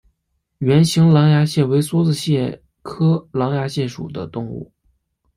圆形狼牙蟹为梭子蟹科狼牙蟹属的动物。